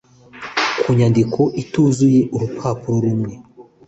ku nyandiko ituzuye urupapuro rumwe